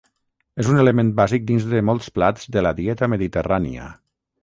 És un element bàsic dins de molts plats de la dieta mediterrània.